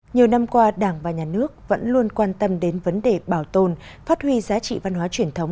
nhiều năm qua đảng và nhà nước vẫn luôn quan tâm đến vấn đề bảo tồn phát huy giá trị văn hóa truyền thống